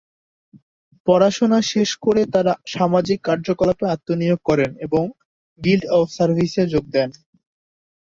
পড়াশোনা শেষ করে তারা সামাজিক কার্যকলাপে আত্মনিয়োগ করেন এবং গিল্ড অব সার্ভিসে যোগ দেন।